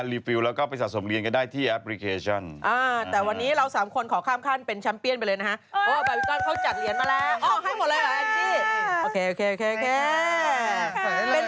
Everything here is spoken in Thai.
แล้วก็ไปสะสมเหรียญกันได้ที่แอปพลิเคชันแต่วันนี้เราสามคนขอข้ามขั้นเป็นแชมเปียนไปเลยนะฮะ